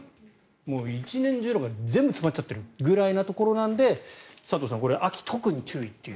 もう一年中のが全部詰まっているみたいなところなので佐藤さん秋、特に注意という。